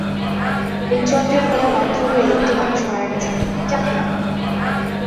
হৃদযন্ত্রের ক্রিয়া বন্ধ হয়ে একটি মানুষ মারা গেছে, যাক না!